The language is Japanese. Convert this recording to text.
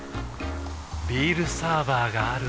ビールサーバーがある夏。